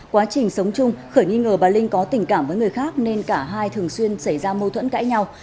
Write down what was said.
quá trình sống chung khởi nghi ngờ bà linh có tình cảm với người khác nên cả hai thường xuyên xảy ra mâu thuẫn cãi nhau